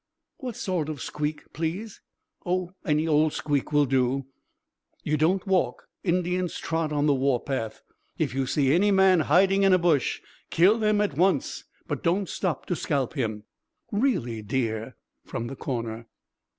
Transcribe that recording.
"What sort of a squeak, please?" "Oh, any old squeak will do. You don't walk. Indians trot on the war path. If you see any man hiding in a bush kill him at once, but don't stop to scalp him " "Really, dear!" from the corner.